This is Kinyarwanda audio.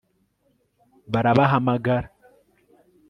barabahamagara